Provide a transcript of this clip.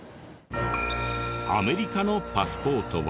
アメリカのパスポートは。